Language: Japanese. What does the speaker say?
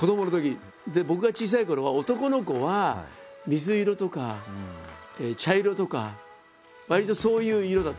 僕が小さいころは男の子は水色とか茶色とかわりとそういう色だったんですよ。